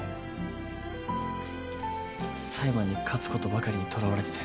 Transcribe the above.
裁判に勝つことばかりにとらわれてて。